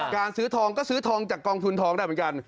การซื้อทองก็ซื้อทองจากกองทุนทองได้เหมือนกัน